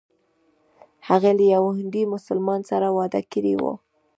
هغې له یوه هندي مسلمان سره واده کړی و.